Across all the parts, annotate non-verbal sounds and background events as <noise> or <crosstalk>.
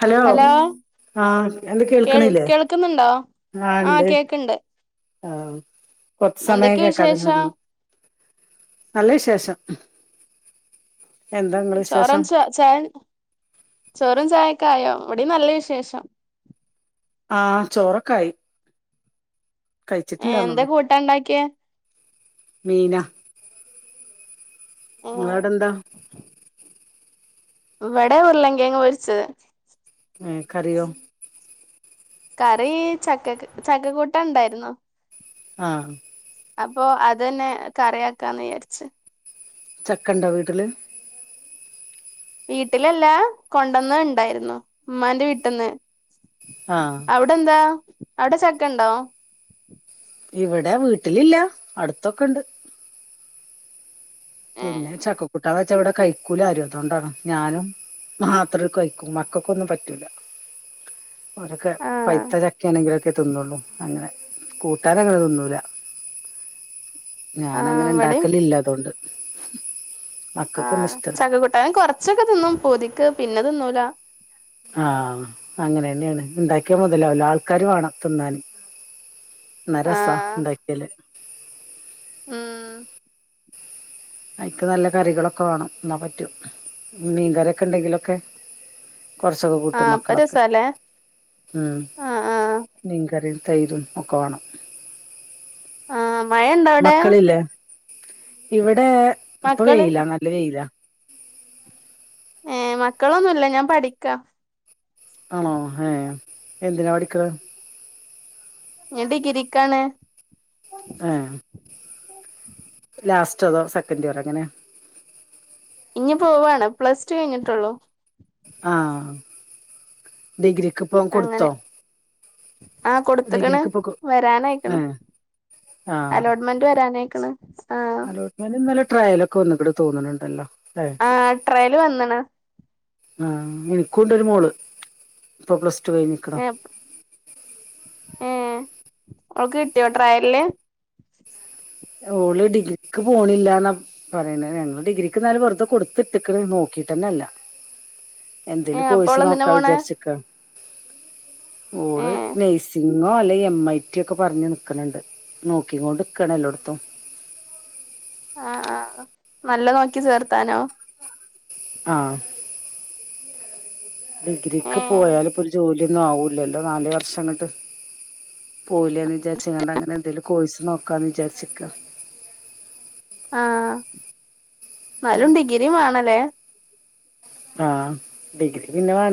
Hello ആഹ് എന്ത കേൾ കേൾക്കണില്ലേ കേൾക്കുന്നുണ്ടോ ആ ആണ്ട് കേക്ക്ണ്ട് ആഹ് കൊർച്ച് സമയായി എന്തൊക്കെ വിശേഷം കേക്കാതങ്ങനെനിന്നു നല്ല വിശേഷം എന്താ നിങ്ങളെ ചോറൻ വിശേഷം ച ചായ ചോറും ചായ ക്കായോ ഇവടിം നല്ല വിശേഷം ആഹ് ചോറൊക്കായി ഏ എന്താ കൂട്ടാൻ ണ്ടാക്കിയെ മീന. ഏ നിങ്ങള അവിടെ എന്താ ഇവിടെ ഉര്ലങ്കഴങ്ങ് പൊര്ച്ചത് ഏ കറിയോ കറി ചക്കക് ചക്കക്കൂട്ടാൻ ഉണ്ടായിരുന്നു ആഹ് അപ്പൊ അതെന്നെ കറിയാക്കാന്ന് വിചാരിച്ച് ചക്കണ്ടൊ വീട്ടില് വീട്ടിലല്ല കൊണ്ടന്നത് ഉണ്ടായിരുന്നു ഉമ്മാൻ്റെ വീട്ട്ന്ന് ആഹ് അവിടെ എന്താ അവിടെ ചക്ക ഉണ്ടോ ഇവിടെ വീട്ടിലില്ല അടുത്തൊക്കെ ഇണ്ട് ഏ പിന്നെ ചക്കക്കുട്ടാവെ ച്ച ഇവടെ കഴിക്കൂല ആരും അതുകൊണ്ടാണ് ഞാനും മാത്രം അത് കഴിക്കും മക്കൾക്കൊന്നും പറ്റൂല ഓരൊക്കെ ആ പൈത്ത ചക്ക ആണെങ്കിലൊ ക്കെ തിന്നുള്ളൂ അങ്ങനെ കൂട്ടാനങ്ങനെ തിന്നൂല്ല ആ ഞാനങ്ങനെ ഇവിടിം ഇണ്ടാക്കലില്ല അതൊണ്ട് ആഹ് ചക കൂട്ടാൻ കൊറച്ചൊക്കെ തിന്നും പൂതിക്ക് പിന്നെ തിന്നൂല ആഹ് അങ്ങനെന്യാണ്. ഉണ്ടാക്കിയാ മുതലാവൂല്ല. ആൾക്കാർ വാണം തിന്നാൻ <inaudible> ന്നാ രസ ഇണ്ടാക്യാല് ഊം അയ്ക്ക് നല്ല കറികളൊക്കെ വേണം ഇന്നാ പറ്റും. മീൻകറിയൊക്കെ ഉണ്ടെങ്കിലൊക്കെ കുറച്ചൊക്കെ കൂട്ടും ആഹ് അപ്പൊ മക്കളൊക്കെ. രസാല്ലേ ഉം ആഹ് ആഹ് മീൻ കറി തൈരും ഒക്കെ വേണം മഴ എന്താ അവിടെ മക്കളില്ലേ ഇവിടെ ഇപ്പൊ മക്കള് വെയില നല്ല വെയില ഏർ മക്കളൊന്നുമല്ല ഞാൻ പഠിക്ക ആണോ ഹഏ എന്തിനാ പഠിക്കുന്നത് എത കിരിക്കാണ് ആഹ ലാസ്റ്റ് അതോ സെക്കൻഡ് ഇറോ അങ്ങനെ ഇനി പോവാണ് പ്ലസ് ടു കഴിഞ്ഞിട്ടുള്ളോ ആഹ ഡിഗ്രക്ക് ഇപ്പ കൊടുത്തോ ആഹ കൊടുത്തക്കണ് ഡിഗ്രിക്ക് ഇപ്പൊ വരാനയിക്കണ് ഏഹ് അലോട്ട്മെന്റ് വരാനായി ക്കള അലോട്ട്മെന്റ്ന്നല്ല ട്രയലൊക്കെ ഒന്നി ഇൂടെ തോന്നുന്നുണ്ടല്ലോ അല്ലേ ആ ട്രയല് വന്നണ് ആഹ എനിക്കണ്ടൊരു മോള് ഇൊ പ്ലസ് ഇഷജ നിക്കളണം ഏഹ് അവക്ക് കിട്ടിയോട്ട്രായല്ലേ ഓള് ഡിഗ്രി ക്ക് പോണില്ലന്ന പറയ ഞങ്ങള്ൾ ഡിഗ്രിക്ക് എന്നാലും വെറുതെ കൊടുത്തിട്ടിക്ക നോക്കിീട്ട് തന്നെല്ല <inaudible> എന്തെേലും ഏഹ് അപ്പൊ കോഴസ് ഓളെന്തിനാ നോക്കാ പോണേ വിചാരിച്ചക്ക ഓള് ഏഹ് നൈസിംഗ ങ്ങോ അല്ലെ എം ഐ ടി ഒക്കെ പറഞ്ഞു നക്കണണ്ട് നോക്കിക്ക കൊണ്ട്ക്കണല്ലോ കുത്തോ ആഹ ആഹ നല്ല നോക്കി ചേർത്താനോ ആഹ ഡിഗ്രിക്ക് ഏഹ് പോയാല ഇപ്പോൊ ഒരു ജോലിയൊന്നും ആവൂലല്ലോ നാല വർഷംങ്ങട്ട് പോലന്ന് വിചാരിച്ച കണ്ട അങ്ങനെ എന്തേിലും കോഴച്ച് നോക്കാന്ന് വിചാരിച്ചിക്ക ആഹ എന്നാലും ഡിഗ്രിയും വേണല്ലേ ആഹ ബഗ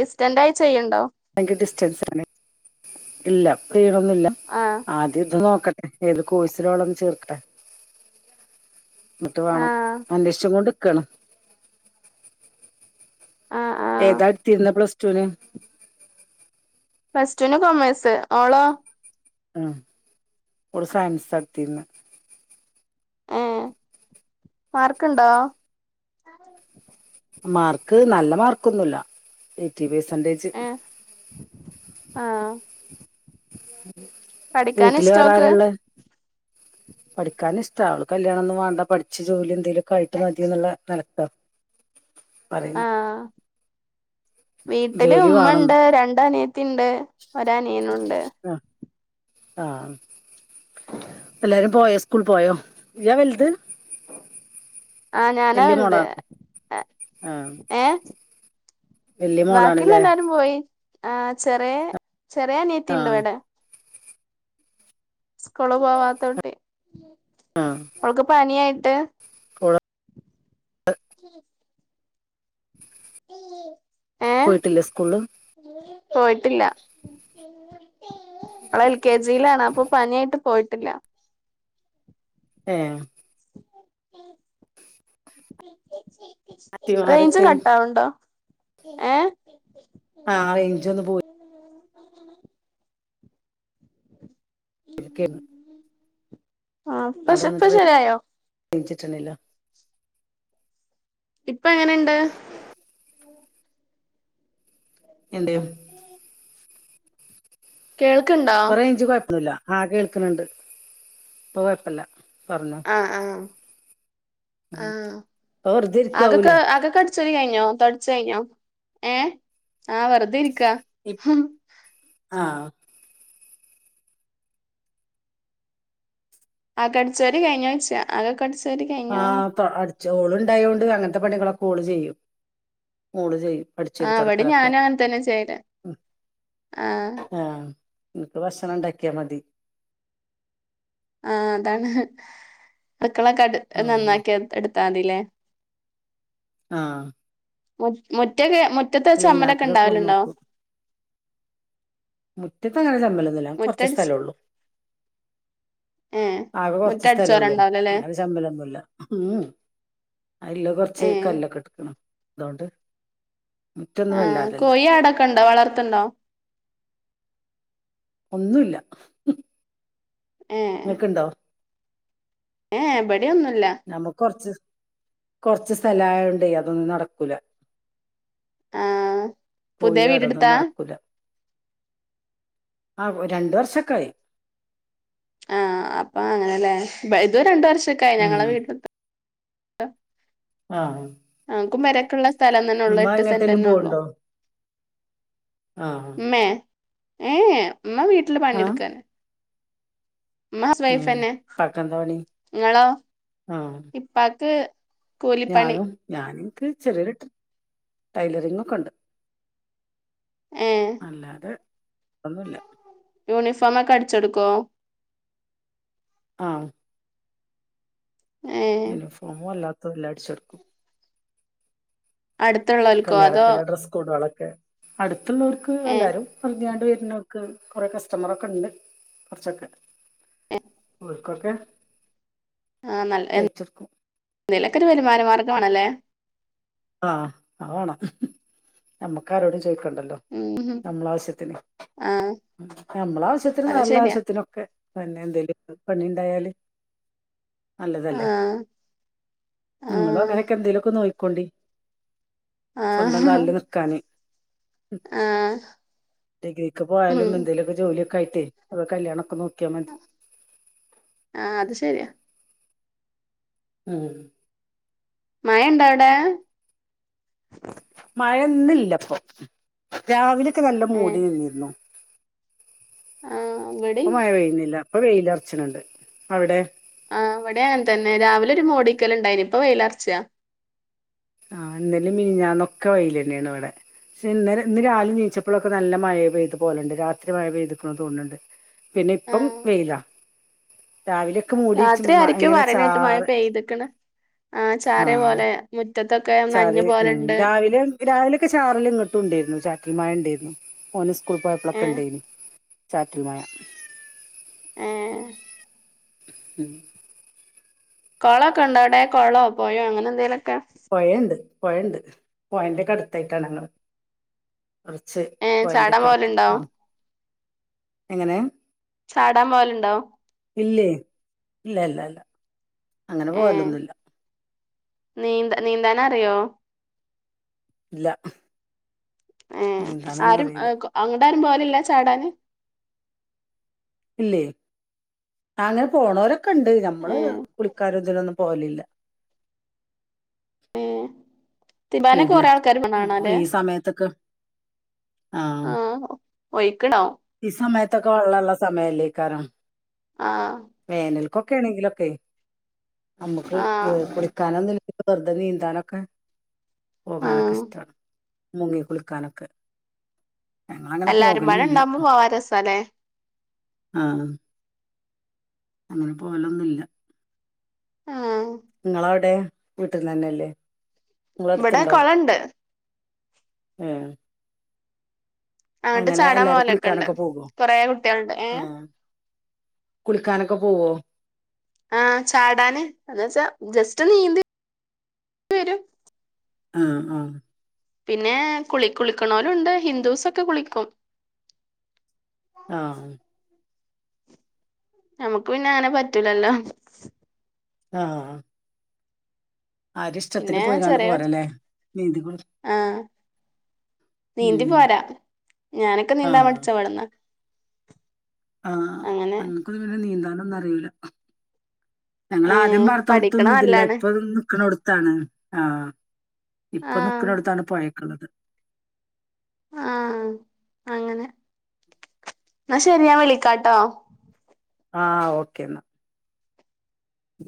ഡിസ്റ്റന്റ് ആയി ചെയ്യണ്ടോ ഭയങ്കര ഡിസ്റ്റൻസ് ആണ് ഇല്ല ചെയ്യണൊന്നില്ല ആഹ് ആദ്യം ഇത് നോക്കട്ടെ ഏത് കോഴശില വളന്ന് ചേർക്കട്ടെ എന്നിട്ട് വേണം ആഹ് അന്രേഷം കൊണ്ട് ഇക്കാണ് ആഹ് ആഹ് ഏതാ എടുത്തിരുന്ന പ്ലസ് ൂന് ഫസ്റ്റന് കൊമേഴ്സ് ഓളോ ആ ഒരുടെ സയൻസ് നടടുത്തിന്ന് ഏ മാർക്കുണ്ടോ മാർക്ക് നല്ല മാർക്ക്ന്നുമല്ല എ ആഹ ആഹ പഠിക്കൻ വീട്ടില് ഇഷ്ടോക്ക്െ പഠിക്കാനൻ ഇഷ്ട അവള് കല്യാണം ഒന്നും വേണ്ട പഠിച്ചച്ച് ജോലി എന്തേലുമൊക്കെ ആയിട്ട് മതിയ എന്നുള്ള നിലക്കോ <inaudible> പറ പറയുന്ന ആഹ് വീട്ടില് ഉമ്മ ഉണ്ട് രണ്ട അനിയത്തി ഉണ്ട് ഒ അനിയനുണ്ട് ആഹ എല്ലാരും പോയോ സ്കൂൾ പോയോ നീയാ വലുത് ആഹ് ഞാനാ വല്യ വലത് മോളാണ് ആ ഏ- വല്യ ബാക്കിയുള്ള മോളാണല്ലേ എല്ലാരും പോയി ആ ചെറിയ ചെറിയ നീത്തി ആ ഉണ്ടോ എവിടെ സ്കൂള് പോവാത്തോട്ടി ആഹ് അവക്ക് പനിയായിട്ട് <inaudible> ഓള് ഏഹ് പോയിട്ടില്ലേ സ്കൂള്ല് പോയിട്ടില്ല അവള് എൽ കെ ജിയിലാണ് അപ്പൊ പനിയായിട്ട് പോയി ഇല്ല ഏഹ് റേഞ്ച് അത്തിമാരൊക്കെ കട്ട് ആവണ്ണ്ടോ ഏഹ് ആ റേഞ്ച് ഒന്ന് പോയി ളി ക്കെര്ന്ന് <unintelligible> ആഹ് പ്പ ഇപ്പൊ ശെരിയായോ ഞ്ച് ട്ടണില്ല <unintelligible> ഇപ്പൊ എങ്ങനെയുണ്ട് എന്ത് കേൾക്ക്ണ്ടോ ഇപ്പ റേഞ്ചി കൊഴപ്പന്നില്ല ആഹ് കേൾക്കണ്ണ്ട് ഇപ്പൊ കൊഴപ്പില്ല ആഹ് ആഹ് ഉം ആഹ് ഇപ്പൊ വെറുതെ അതൊക്ക ഇരിക്കാവൂലേ ആതൊക്ക ച് കഴിഞ്ഞോ തൊടച്ച് കഴിഞ്ഞോ ഏഹ് ആ വെറുതെ ഇരിക്ക ക്ക ആഹ് ആ തൊടച്ച് വാരി കഴിഞ്ഞോ എന്ന് ച്ചാ അകോക്ക അടിച്ച് ആ തൊ അടിച്ച് ഓള് ഉണ്ടായൊണ്ട് അങ്ങനത്തെ പണികളൊക്കെ ഓള് ചെയ്യും ഓള് ചെയ്യും ആ അടിച്ചേരി ഇവിടെ തൊടക്കലൊക്കെ ഞാന അങ്ങന തന്നെ ചെയ്യല് ആഹ് നിനക്ക് ഭക്ഷണം ഉണ്ടാക്കിയാ മതി ആഹ് അതാണ് അടുക്കളൊക്കെ ആഹ് നന്നാക്കി എടുത്താ മതില്ലേ ആഹ് മു മുറ്റക്കെ മുറ്റത്തെ ചമ്മലൊക്കെ ക്ലീനാക്കലൊക്കെ ഓള് ഉണ്ടാവലുണ്ടോ നോക്കും മുറ്റത്ത് അങ്ങനെ ചമ്മലൊന്നുംല്ല ഞങ്ങൾക്ക്‌ കുറച്ച് മുറ്റടിച്ച് സ്ഥലെള്ളു ഏ ആകെ കൊറച്ച് സ്ഥലംള്ളൂ മുറ്റടിച്ചോരണ്ടാവൂലല്ലേ അങ്ങനെ ശമ്മലൊന്നുല്ല ഉം അല്ല കൊറച്ച് ഏ കല്ലൊക്കെ ഇട്ടുക്കണ് അതൊണ്ട് ആ കോഴി ആടൊക്കെ ഉണ്ടോ വളർത്തണ്ടോ ഒന്നുംഇല്ല ഏഹ് ഏഹ് ബഡ് നമ്മക്ക് കൊറച്ച് കൊറച്ച് സ്ഥലായകൊണ്ടെ അതൊന്നും നടക്കൂല ആ കോയി പുതിയ ആട് അതൊന്ന് വീടെടുത്താ നടക്കൂല ആ ഒര് രണ്ട് വർഷൊക്കായി ആഹ് അപ്പൊ അങ്ങനെല്ലേ ഇത് രണ്ട വർഷക്ക ആയി ഞങ്ങള ഉം വീട്ടിലത്ത ആഹ് ആഹ് നമ്മക്കും പെരക്കുള്ള സ്ഥലം തന്നെ ഉള്ളൂ ഉമ്മ എട്ട് സെന്റ് എങ്ങട്ടേലും തന്നെ ഉള്ളൂ പോവ്ണ്ടോ ആഹ് ഉമ്മ ഏഹ് ഉമ്മ വീട്ടില് ആഹ് പണിയെടുക്കാന് ഉമ്മ ഹൗസ് ഉം വൈഫന്നെ ഇപ്പാക്കെന്താ പണി നിങ്ങളോ ആഹ് ഇപ്പക്ക് ഞാനും ഞാനിനിക്ക് ചെറിയ ടൈ ടൈലറിങ് ഒക്കെ ഉണ്ട് ഏ അല്ലാതെ ഒന്നുല്ല യൂണിഫോമക്കെ അടിച്ചോടുക്കോ ആ ഏ യൂണിഫോമും അല്ലാത്തല്ലോ അടിച്ചോടുക്കും അടുത്തുള്ളോൽക്കോ അതോ കല്യാണത്തിന്റെ ഡ്രസ്സ് കോഡുകളൊക്കെ അടുത്തുള്ളവർക്ക് ഏഹ് എല്ലാവരും പറഞ്ഞാണ്ട് വരും പിന്നൊർക്ക് കൊറെ കസ്റ്റമറൊക്കെ ഇണ്ട് കുറച്ചൊക്കെ <unintelligible> ഇടക്കൊക്കെ? ആ നല്ല എ എന്തേലെക്കൊരു വരുമാന മാർഗ്ഗാണല്ലേ? ആ ആ വാണം നമ്മുക്കാരോടും ചോയിക്ക ണ്ടല്ലോ ഉം നമ്മളാവശ്യത്തിന് ആഹ് നമ്മളാവശ്യത്തിനും അത് വേറെ ശരിയാ ള്ളാവശ്യത്തിനൊക്കെ. പിന്നെന്തേലും പണിണ്ടായാല് നല്ലതല്ലേ ആഹ് ങ്ങളും ആഹ് അങ്ങനൊക്കെ ന്തേലൊക്കെ നോയിക്കോണ്ടി സ്വന്തം ആഹ് കാൽല് ന്ക്കാന്. ഉം ആഹ് ഡിഗ്രിക്ക് ഉം പോയാലും എന്തേലൊക്കെ ജോലിയൊക്കായിറ്റെയ് അ കല്യാണൊക്കെ നോ ആ അത് ശര്യാ ഉം മയണ്ടോവ്ടെ? മയൊന്നില്ലപ്പൊ രാവിലൊക്കെ നല്ല ഏഹ് മൂടി നിന്നിരുന്നു. ആഹ് പ്പൊ ഇവിടിം മയ പെയ്ണില്ല പ്പൊ വെയിലെർച്ച്ണ് ണ്ട് അവ്ടെ? ആ ഇവിടെ ങ്ങൻതന്നെ രാവിലൊരു മൂടിക്കല്ണ്ടായിര് ഇപ്പ വെയിലെർച്ചാ. ആ ന്ന്ന്നലീം മിഞ്ഞാന്നൊക്കെ വൈലെന്നേ ന്നുവ്ടെ. ക്ഷെ ഇന്നലെ ഇന്ന് രാവ് ലെ നീ ച്ചപ്പോഴൊക്കെ നല്ല മഴ പെയ്ത പോലുണ്ട് രാത്രി മഴ പെയ്ത് ക്ക്ണ് തോന്ന്ണ് ണ്ട്. പിന്നെപ്പം ആഹ് വെയിലാ രാവിലെയൊക്കെ മൂടി രാത്രി ആരിക്കും എങ്ങനെ പറയ്ണേട്ട് മഴ ചാറ് പെയ്തക്ണ് ആ ചാറിയ പോലെ മു ചാറി ഉം രാവിലെ രാവിലൊക്കെ ചാറല്ങ്ങട്ടു ണ്ടേര്ന്നു. ചാറ്റൽമഴ ണ്ടേര്ന്നു. ഓന് സ്കൂൾ പോയപ്പ്ളൊക്കെ ഏഹ് ണ്ടേനി ചാറ്റിൽ മഴ. ഏ ഉം കൊളൊക്കെ ണ്ടവടേ? കൊളോ, പൊയേ അങ്ങനെന്തേലും? പൊയേണ്ട് പൊയണ്ട് പൊയേന്റെക്കടുത്തായിട്ടാ നങ്ങൾ കെറച്ച് ഏ ചാടാൻ പോവലുണ്ടോ പൊയേന്റൊക്കെടുത്താണ്. എങ്ങനേ? ചാടാൻ പോല്ണ്ടോ? ഇല്ലേ, ഇല്ല ഇല്ല ഇല്ല അങ്ങനെ ഏ പോവലൊന്നുല്ല. നീന്ത നീന്താനറിയോ? ല്ല. ഏ ആരും അ അങ്ങട്ടാരും പോലില്ല ചാടാന്? ഇല്ലേ, അങ്ങനെ പോണോരൊക്കെണ്ട് നമ്മള് ഏ കുളിക്കാനിതിനൊന്നും. പോലില്ല. ഏ തിരുമ്പാനൊക്കെ പേട്യ കൊറേ ആൾക്കാര് പോണ ഉം കാണാല്ലേ ഈ സമയത്തൊക്കെ ആ ഒയിക്ക്ണോ? ഈ സമയത്തൊക്കെ വെള്ളള്ള സമയല്ലേക്കാരം. ആ കൊക്കെ ണെങ്കിലൊക്കെ അമ്മക്ക് ആ കുളിക്കാനും തി വെർതെ നീന്താനൊക്കെ? ആ പോകാനൊ കെഷ്ടാണ് മുങ്ങി കുളിക്കാനൊക്കെ. ഞങ്ങളങ്ങനെ പോകലില്ല. പോവാ രസാല്ലേ? ആ അങ്ങനെ പോലൊന്നുല്ല. ഏ ങ്ങളവ്ടെ വീട്ടിന്ന്ന്നെല്ലേ? ഇവിടെ കൊളണ്ട്. ഉം അങ്ങട്ട് അങ്ങനെ ചാടാൻ എല്ലാരും പോവലൊക്കെണ്ട് കുളിക്കാനൊക്കെ പോകോ? കൊറേ കുട്ടികളുണ്ട് ഏ ഉം. കുളിക്കാനൊക്കെ പോവോ? ആഹ ചാടാന് എന്ന വച്ചാ ജസ്റ്റ് നീന്തി വരും ആഹ ആഹ പിന്നെ കുളി കുളിക്കണലും ഉണ്ട് ഹിന്ദൂസ് ഒക്കെ കുളിക്കും ആഹ നമക്ക് പിന്നെ അനെ പറ്റൂലല്ലോ ആഹ ആരി പിന്നെ ഇഷ്ടത്തിന് പോയി കണ്ട്ു ചെറിയ പോരല്ലേ നീന്തി കൊടു ആഹ് നീന്തി പോരാ ഞാനൊക്കെ നീന്താൻ മടിച്ച വവിടന്നാ ആഹ അങ്ങക്കതു പിന്നെ നീന്താനൊന്നും അറിയില ഞങ്ങള ആദ്യം ഏഹ് പത്തോന്ന പഠിക്കണ തന്നതില്ല നല്ലാണ് ഇപ്പൊ നിക്കണ കൊടുത്താണ് ആഹ ഇപ്പൊ ആഹ് നിക്കുന്നടുത്താണ് പോയക്കുള്ളത് ആഹ അങ്ങനെ എന്നാ ശരിയാാൻ വിളിക്കാട്ടോ ആഹ ഓക്കേ എന്നാ ഉ